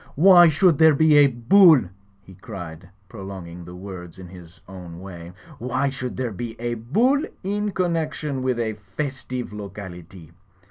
"Why should there be a Bull?" he cried, prolong ing the word in his own way. "Why should there be a Bull in connection with a festive locality?